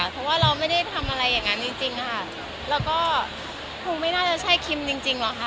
เพราะว่าเราไม่ได้ทำอะไรอย่างนั้นจริงจริงค่ะแล้วก็คงไม่น่าจะใช่คิมจริงจริงหรอกค่ะ